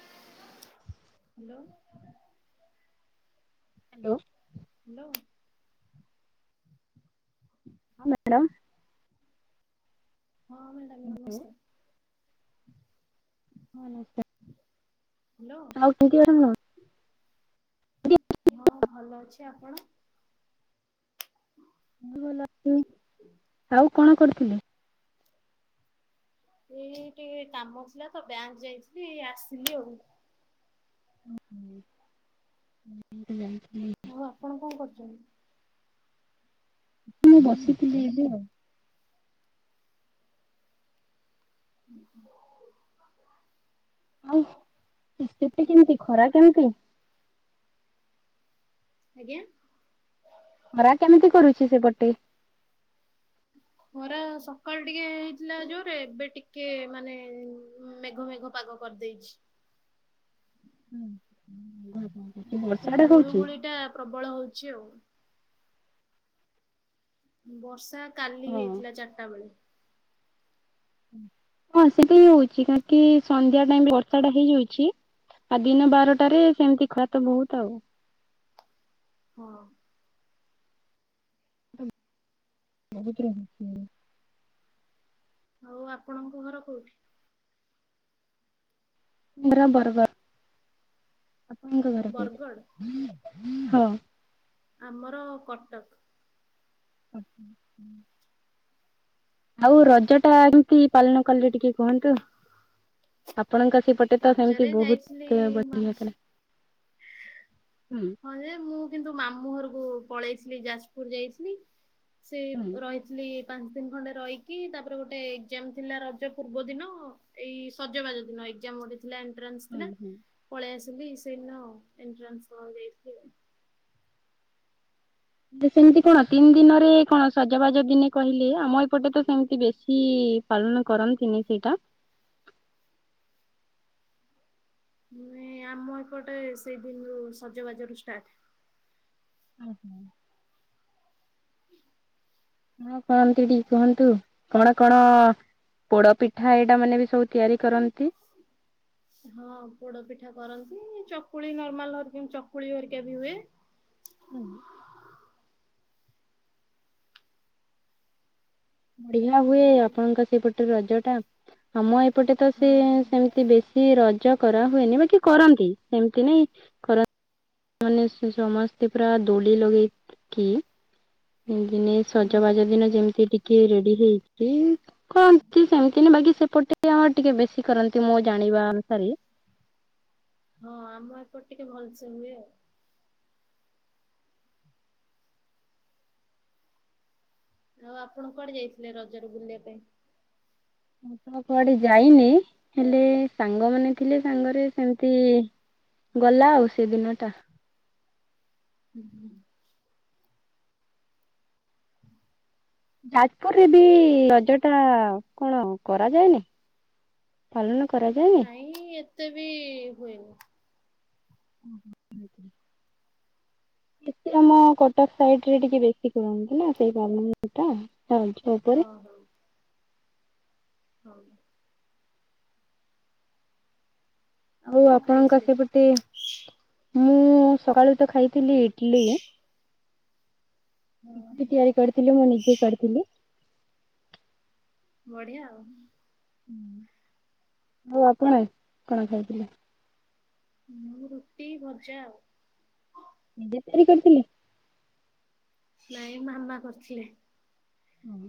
Hello. Hello. Hello. ହଁ madam. ହଁ madam hello ନମସ୍କାର। ହଁ ନମସ୍କାର। ହ୍ୟାଲୋ। ଆଉ କେମିତି ଅଛନ୍ତି ଆପଣ? ହଁ ଭଲ ଅଛି ଆପଣ? ଭଲ ଆଉ କଣ କରୁଥିଲେ। ଏଇ ଟିକେ କାମ ଥିଲା ତ ବ୍ୟାଙ୍କ ଯାଇଥିଲି ଆସିଲି ଆଉ। [unintelligible] ଆଉ ଆପଣ କଣ କରୁଛନ୍ତି। ମୁଁ ବସିଥିଲି ଏବେ ଆଉ। [unintelligible] ଆଉ ସ୍ଥିତି କେମିତି ଖରା କେମିତି? ଆଜ୍ଞା। ଖରା କେମିତି କରୁଛି ସେପଟେ? ଖରା ସକାଳୁ ଟିକେ ହେଇଥିଲା ଯୋରେ ଏବେ ଟିକେ ମାନେ ମେଘ ମେଘ ପାଗ। କରି ଦେଇଛି। [unintelligible] ବର୍ଷା ଟା କିନ୍ତୁ ଗୁଳୁ ହଉଛି? ଗୁଳି ଟା ପ୍ରବଳ ହଉଛି ଆଉ। ବର୍ଷା କାଲି ହେଇଥିଲା ଚାରିଟା ବେଳେ। ହଁ ସେଟା ହିଁ ହଉଛି କାହିଁକି ସନ୍ଧ୍ୟା ଟାଇମ୍ ରେ ବର୍ଷା ଟା ହେଇଯାଉଛି। ଆଉ ଦିନ ବାରଟାରେ ସେମିତି ଖରା ତ ବହୁତ ଆଉ। ହଁ। [unintelligible] ଆଉ ଆପଣଙ୍କ ଘର କୋଉଠି? ଘର ବରଗଡ଼ ଆପଣଙ୍କ ଘର ବରଗଡ଼ କୋଉଠି? ଆମର କଟକ। [unintelligible] ଆଉ ରଜ ଟା ଏମିତି ପାଲନ କଲେ ଟିକେ କୁହନ୍ତୁ? ଆପଣଙ୍କ ସେପଟେ ତ ସେମତି ରଜରେ ଯାଇଥିଲି ବହୁତ ମା ବଢ଼ିଆ ଥିଲା। ହୁଁ। ହଁ ଯେ ମୁଁ କିନ୍ତୁ ମାମୁଁ ଘରକୁ ପଳେଇଥିଲି ଯାଜପୁର ଯାଇଥିଲି ସେ ହୁଁ ରହି [unintelligible] ପାଞ୍ଚ ଦିନ ଖଣ୍ଡେ ରହିକି ତାପରେ ଗୋଟେ ଏକ୍ଜାମ ଥିଲା ରଜ ପୂର୍ବ ଦିନ। ଏଇ ସଜବାଜ ଦିନ ଏକ୍ଜାମ ଗୋଟେ ଥିଲା ଏଣ୍ଟ୍ରାନ୍ସ ହୁଁ ଥିଲା ହୁଁ। ପଳେଇ ଆସିଲି ସେଇଦିନ ଏଣ୍ଟ୍ରାନ୍ସ ଦେବାକୁ ଯାଇଥିଲି ଆଉ। ସେମିତି କଣ ତିନି ଦିନରେ କଣ ସଜବାଜ ଦିନେ କହିଲେ ଆମ ଏପଟେ ତ ସେମିତି ବେଶୀ ପାଲନ କରନ୍ତିନି ସେଇଟା। ମାନେ ଆମ ଏପଟେ ସେଇ ଦିନରୁ ସଜବାଜ ରୁ ଷ୍ଟାର୍ଟ। ଓ ହୋ। [inaudible] କଣ କରନ୍ତି ଟିକେ କୁହନ୍ତୁ କଣ କଣ? ପୋଡ଼ ପିଠା ଏଇଟା ମାନେ ବି ସବୁ ତିଆରି କରନ୍ତି। [inaudible] ହଁ ପୋଡ଼ ପିଠା କରନ୍ତି ଚକୁଳି ନର୍ମାଲହରିକ ଚକୁଳି ହରିକା ବି ହୁଏ। ହୁଁ। ବଢ଼ିଆ ହୁଏ ଆଉ ଆପଣଙ୍କ ସେପଟେ ରଜ ଟା ଆମ ଏପଟେ ତ ସେ ହଁ ସେମତି ବେ ସି ରଜ କରା ହୁଏନି ବାକି କରନ୍ତି ସେମତି ନାଇଁ କର ମାନେ ସେ ସମସ୍ତେ ପୁରା ଦୋଳି ଲଗେଇକି [unintelligible] ହଁ ସଜବାଜ ଦିନ ଯେମିତି ଟିକେ ରେଡି ହେଇଛି କହନ୍ତି ସେମତିନା ବାକି ସେପଟେ ସେ ଆମ ଟିକେ ବେଶୀ କରନ୍ତି ମୋ ଜାଣିବା ଅନୁସାରେ। ହଁ ଆମ ଏପଟେ ଟିକେ ଭଲସେ ହୁଏ ଆଉ। ଆଉ ଆପଣ କୁଆଡ଼େ ଯାଇଥିଲେ ରଜରେ ବୁଲିବା ପାଇଁ? ମୁଁ ତ କୁଆଡ଼େ ଯାଇନି, ହେଲେ ସାଙ୍ଗମାନେ ଥିଲେ ସାଙ୍ଗରେ ସେମିତି ଗଲା ଆଉ ସେ ଦିନଟା। ହୁଁ ହୁଁ। [inaudible] ଯାଜପୁରରେ ବି ରଜ ଟା କଣ କରାଯାଏନି? ପାଲନ କରାଯାଏନି? ନାଇଁ ଏତେ ବି ହୁଏନି। ଓହୋ। [unintelligible] ଏତେ ଆମ କଟକ ସାଇଡ ରେ ଟିକେ ବେଶୀ କରନ୍ତି ନା [unintelligible] ହଁ ହଁ। ହଉ। ଆଉ ହଉ କଣ ଆପଣଙ୍କ ଖାଇଥିଲେ? ସେପଟେ, ମୁଁ ସକାଳୁ ତ ଖାଇଥିଲି ଇଟଲି। ହଁ ଇଟିଲି ତିଆରି କରିଥିଲି, ମୁଁ ନିଜେ କରିଥିଲି। ବଢିଆ ଆଉ। ଆଉ ଆପଣ କଣ ଖାଇଥିଲେ? ମୁଁ ରୁଟି ଭଜା ଆଉ। ନିଜେ ତିଆରି କରିଥିଲି? ନାଇଁ ମାମା କରିଥିଲେ। ଓ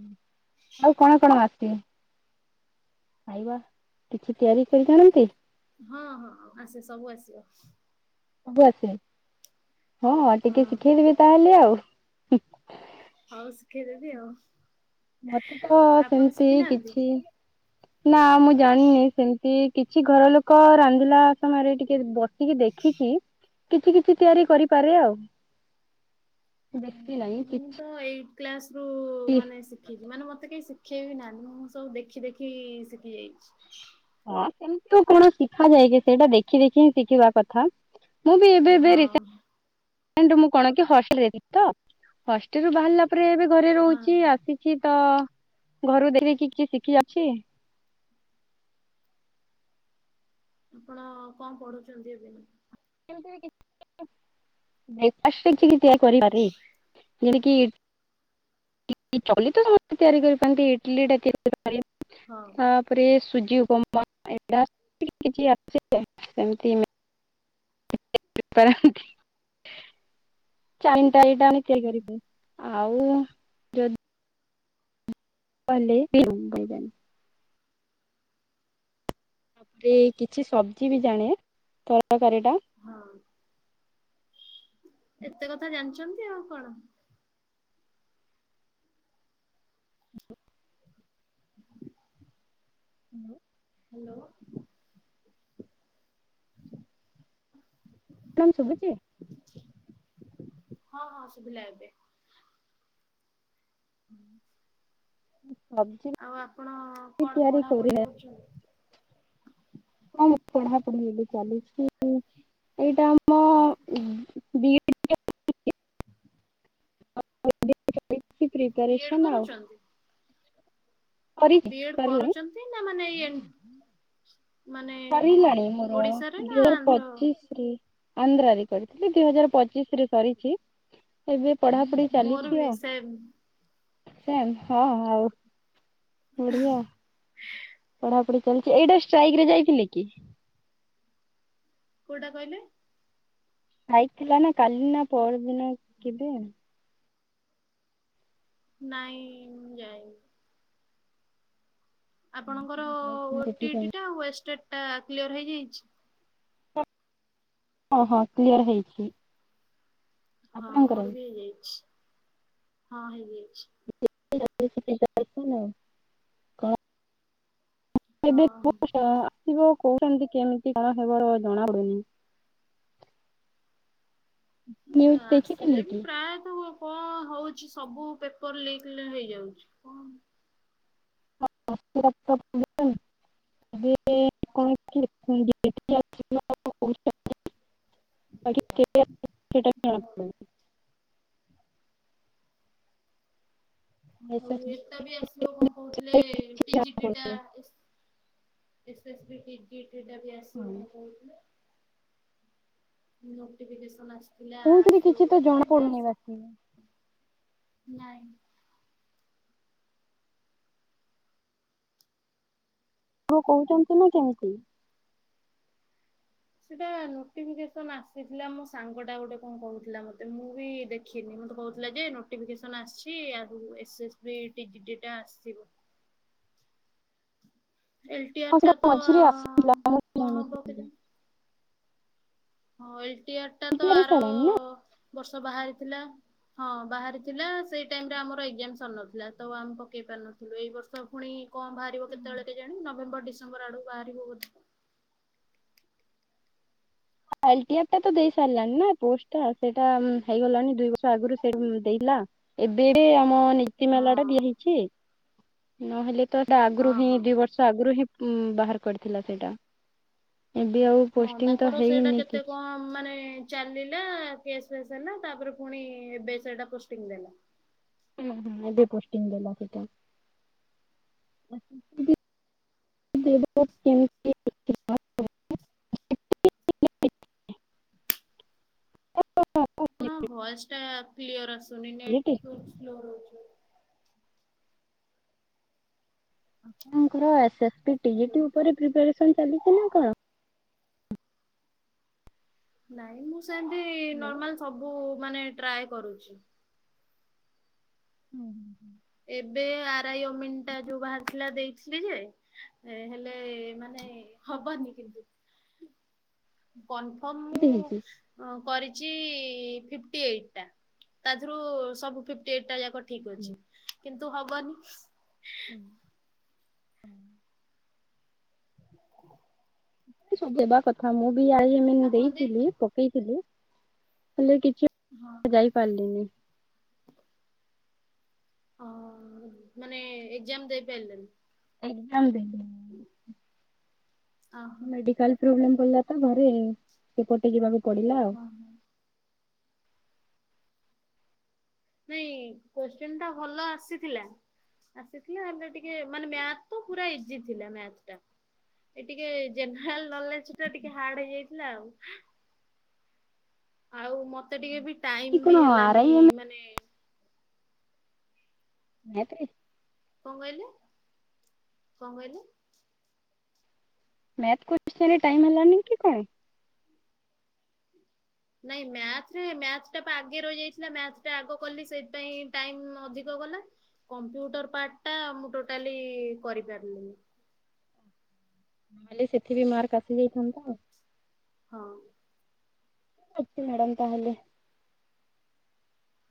ଆଉ କଣ କଣ ଆସେ? ଖାଇବା କିଛି ତିଆରି କରିଛନ୍ତି? ହଁ ହଁ ଆସେ ସବୁ ଆସେ। ସବୁ ଆସେ ହଁ ଟିକେ ଶିଖେଇଦବେ ତାହେଲେ ଆଉ। ହଉ ଶିଖେଇଦବି ଆଉ। ମତେ ତ ଆପଣ ସେମତି ଶିଖିନାହାନ୍ତି? କିଛି ନା ମୁଁ ଜାଣିନି, ସେମତି କେହି କିଛି ଘର ଲୋକ ରାନ୍ଧିଲା ସମୟରେ ଟିକେ ବସିକି ଦେଖିକି। କିଛି କିଛି ତିଆରି କରିପାରେ ଆଉ ବେଶୀ ନାଇଁ। ମୁଁ ତ ଏଇଟ କ୍ଲାସ ରୁ ମାନେ ଶିଖିଛି ମାନେ ମତେ କେହି ଶିଖେଇବି ନାହାନ୍ତି ମୁଁ ସବୁ ଦେଖି ଦେଖି ଶିଖି ଯାଇଚି। ହ ସେମିତି କଣ ଶିଖା ଯାଏ କି ସେଇଟା ଦେଖି ଦେଖି ହିଁ ଶିଖିବା କଥା। ମୁଁ ବି ଏବେ ଏବେ ହଁ [inaudible] କଣ ହଷ୍ଟେଲରେ ରହିଲି ତ ହଷ୍ଟେଲ [unintelligible] ତାପରେ ଏବେ ଘରେ ହଁ। ରହୁଚି ଆସିଚି ତ ଘରୁ ଦେଖିକି କି ଶିଖି ଯାଉଚି। ଆପଣ କଣ ପଢୁଛନ୍ତି ଏବେ? [unintelligible] ଇସ୍ୟୁ କରିପାରେ। ଯେଣ କିି ଚଲି ତ ସମସ୍ତେ ତିଆରି କରିପାରନ୍ତି ଇଟଲି ଟା [unintelligible] ହଁ। ତାପରେ ସୁଜି ଉପମା [unintelligible] [unintelligible] ତିଆରି କରିବୁ। ଆଉ। ପଲେଇ କିଛି ସବଜି ବି ଜାଣେ ତରକାରୀ ଟା ହଁ। ଏତେ କଥା ଜାଣିଛନ୍ତି ଆଉ କଣ। ହୁଁ। ହ୍ୟାଲୋ। କଣ ଶୁଭୁଚି? ହଁ ହଁ ସୁୁବିଲା ଏବେ। [unintelligible] ଆଉ ଆପଣ ବି କଣ ତିଆରି କରେ ପଢାପଢି କରୁଚନ୍ତି? କଣ ପଢାପଢି ଏବେ ଚାଲିଛି? ଏଇଟା ଆମ ବି [unintelligible] [inaudible] [unintelligible] ବି ଏଡ୍ ପ୍ରିପରେସନ୍ ଆଉ। କରୁଛନ୍ତି? କରିଛି ବି ଏଡ୍ କରୁଛନ୍ତି ନା ମାନେ ମାନେ ସାରିଲାଣି ମୋର ଓଡିଶାରେ ନା ଦିଇ ହଜାର ଆନ୍ଧ୍ର? ପଚିଶ ରେ। ଆନ୍ଧ୍ରାରେ କରିଥିଲି ଦୁଇ ହଜାର ପଚିଶରେ ସରିଚି। ଏବେ ପଢାପଢି ମୋର ଚାଲିଛି ବି ସେମ୍ ଆଉ ସେ ହଁ ଆଉ। ବଢିଆ ପଢାପଢି ଚାଲିଛି ଏଇଟା ଷ୍ଟ୍ରାଇକ ରେ ଯାଇଥିଲେ କି? କୋଉଟା କହିଲେ? ଖାଇଥିଲା ନା କାଲି ନା ପରଦିନ କେବେ? ନାଇଁ ମୁଁ ଯାଇନି। ଆପଣଙ୍କର ସେଥିପାଇଁ ଓଟିଟି ଟା ଏଟା କ୍ଲିୟର ହେଇଯାଇଚି। [unintelligible] କ୍ଲିୟର୍ ହେଇଛି। ହଁ ଆପଣଙ୍କର ମୋର ବି ହେଇଯାଇଛି, ହଁ ହେଇଯାଇଛି। [inaudible] [inaudible] [unintelligible] କେମିତି ହଁ। କଣ ହେବ ଜଣା ପଡୁନି। ନ୍ୟୁଜ ଦେଖିଥିଲେ ଆସିଲେ କି? ବି ପ୍ରାୟତଃ କଣ ହଉଛି ସବୁ ପେପର ଲିକ୍ ହେଇଯାଉଛି। କଣ [inaudible] [inaudible] [inaudible] ଆଉ ଏଟା ବି ଆସିବ କଣ କହୁଥିଲେ [unintelligible] [unintelligible] ଆସିବ କଣ କହୁଥିଲେ। ନ୍ ଆସିଥିଲା ଆସିବ ତ ବୋଲି, ଜଣା କେବେ ପଡୁନି ବାକି ଆସି ନାଇଁ। [unintelligible] କହୁଚନ୍ତି ନା କେମିତି? ସେଟା ନୋଟିଫିକେସନ ଆସିଥିଲା ମୋ ସାଙ୍ଗ ଟା ଗୋଟେ କଣ କହୁଥିଲା ମତେ, ମୁଁ ବି ଦେ ଦେଖିନି ମତେ କହୁଥିଲା ଯେ ନୋଟିଫିକେସନ ଆସିଛି ଆଉ ଏସ୍ ଏସ୍ [unintelligible] ଟା ଆସିବ। ଏଲ୍ ଟି ଆର୍ ହଁ ଟା ସେଟା ତ ମଝିରେ ଆସି କଣ ହବ କେଜାଣି। ଏଲଟିଆର ହଁ ଏଲ୍ ଟି ଆର୍ ଟା ତ ଆର ସାରିଲାଣି ନା ବର୍ଷ ବାହାରିଥିଲା। ହଁ ବାହାରି ଥିଲା ସେଇ ଟାଇମ୍ ରେ ଆମର ଏକ୍ଜାମ୍ ସରି ନଥିଲା, ତ ଆମେ ପକେଇ ପାରିନଥିଲୁ ଏଇ ବର୍ଷ ଫୁଣି କଣ ବାହାରିବ କେତେବେଳେ କେଜାଣି, ନଭେମ୍ବର ଡିସେମ୍ବର ଆଡକୁ ବାହାରିବ ବୋଧେ। ଏଲ୍ ଟି ଆର୍ ଟା ତ ଦେଇ ସାରିଲାଣି ନା ପୋଷ୍ଟ ଟା ସେଇଟା ହେଇଗଲାଣି ଦୁଇ ବର୍ଷ ଆଗରୁ ସେ ଦେଇଥିଲା। ଏବେ ଆମ ନି ହଁ [unintelligible] ଟା ଦିଏ ହେଇଛି ନହେଲେ ତ ସେ ଆଗରୁ ହଁ ହିଁ ହଁ ଦିଇ ବ ର୍ଷ ଆଗରୁ ହିଁ ବାହାର କରିଥିଲା ସେଇଟା, ଏବେ ଆଉ ହଁ ପୋଷ୍ଟିଙ୍ଗ ତ ତାଙ୍କର ସେଇଟା ହେଇନି କେତେ କିଛି। କଣ ମାନେ ଚାଲିଲା କେସ୍ ଫସ୍ ହେଲା ତାପରେ ପୁଣି ଏବେ ସେଟା ପୋଷ୍ଟିଙ୍ଗ ଦେଲା। ହୁଁ-ହୁଁ ଏବେ ପୋଷ୍ଟିଙ୍ଗ ଦେଲା ସେଟା। [unintelligible] କେମ୍ତି। ଆପଣଙ୍କ ଭଏସ୍ ଟା କ୍ଲିୟର୍ ଆସୁନି ନେଟ୍ ଆପଣଙ୍କର ସ୍ଲୋ ରହୁଚି। ଆପଣଙ୍କର ହ୍ୟାଲୋ [unintelligible] ଉପରେ ପ୍ରେପାରେସନ୍ ଚାଲିଛି ନା କଣ? ନାଇଁ ମୁଁ ସେନ୍ତି ହ୍ୟାଲୋ। ନର୍ମାଲ୍ ସବୁ ମାନେ ଟ୍ରାଏ କରୁଛି। ହୁଁ [inaudible] ଏବେ ଆ ରାଇ ଅମିନ ଟା ଯୋଉ ବାହାରିଥିଲା ଦେଇଥିଲି ଯେ ହେଲେ ମାନେ ହବନି କିନ୍ତୁ। କନଫର୍ମ କେମିତି ହେଇଛି? ମୁଁ ଆଁ କରିଚି ଫିପ୍ଟି ଏଇଟ୍ ଟା, ତାଧୁରୁ ସବୁ ଫିପ୍ଟି ଏଇଟ୍ ଟା ଯାକ [unintelligible] ଠିକ୍ ଅଛି କିନ୍ତୁ ହବନି। [unintelligible] [unintelligible] କଥା ମୁଁ ବି ଆଇ ଏମେନ୍ ଆପଣ ଦେଇ ଦେଇଥିଲି ପକେଇଥିଲି ହେଲେ କିଛି ହଁ। ଯାଇ ପାରିଲିନି। ଅଁ ମାନେ ଏକ୍ଜାମ୍ ଦେଇପାଇଲେନି? ଏକ୍ଜାମ୍ ଦେଇନି। ଓହୋ ମେଡିକାଲ୍ ପ୍ରୋବ୍ଲେମ୍ ପଡିଲା ତ ଘରେ, ସେପଟେ ଯିବାକୁ ପଡିଲା। ଆଉ। [unintelligible] ନାଇଁ କୋଶ୍ଚିନ୍ ତ ଭଲ ଆସିଥିଲା। ଆସିଥିଲା ହେଲେ ଟିକେ ମାନେ ମ୍ୟାଥ୍ ତ ପୁରା ଇଜି ଥିଲା ମ୍ୟାଥ୍ ଟା। ଏ ଟିକେ ଜେହ୍ନେରାଲ୍ ନଲେଜ୍ ଟା ଟିକେ ହାର୍ଡ ହେଇଯାଇଥିଲା ଆଉ। ଆଉ ମତେ ଟିକେ ବି କି ଟାଇମ୍ କଣ ବି ଆର ହେଲାନି ଆଇ ଏମ୍ ମାନେ ନା ଇତ୍ରି। କଁ କହିଲେ କଁ କହିଲେ? ମ୍ୟାଥ୍ କୋତ୍ସିନ ରେ ଟାଇମ ହେଲାନି କି କଣ? ନାଇଁ ମ୍ୟାଥରେ ମ୍ୟାଥ୍ ଟା ପା ଆଗେ ରହିଯାଇଥିଲା। ମ୍ୟାଥ୍ ଟା ଆଗ କଲି ସେଇଥିପାଇଁ ଟାଇମ୍ ଅଧିକ ଗଲା। କମ୍ପ୍ୟୁଟର ପାର୍ଟ ଟା ମୁଁ ଟୋଟାଲି କରିପାରିଲିିନି। ହେଲେ ସେଥି ବି ମାର୍କ ଆସି ଯାଇଥାନ୍ତା। ହଁ। ଅଛି ମ୍ୟାଡ଼ାମ ତାହେଲେ।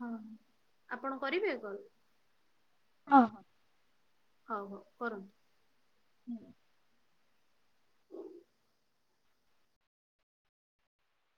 ହଁ ଆପଣ କରିବେ କଲ୍? ହଁ, ହଁ। ହୋଉ ହୋଉ କରନ୍ତୁ। ହୁଁ।